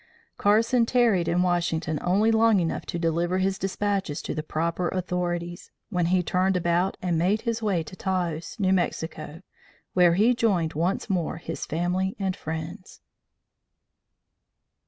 Carson tarried in Washington only long enough to deliver his despatches to the proper authorities, when he turned about and made his way to Taos, New Mexico, where he joined once more his family and friends.